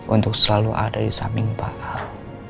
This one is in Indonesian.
untuk selalu ada di samping pak al